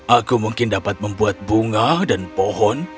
aku mungkin dapat membuat bunga dan pohon